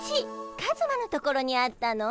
カズマのところにあったの？